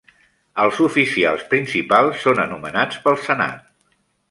Els oficials principals són anomenats pel senat.